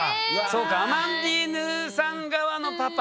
そうかアマンディーヌさん側のパパね。